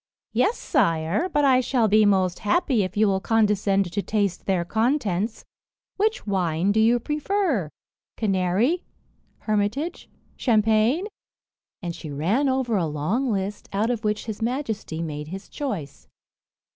"Yes, sire, but I shall be most happy if you will condescend to taste their contents. Which wine do you prefer canary, hermitage, champagne?" and she ran over a long list, out of which his majesty made his choice.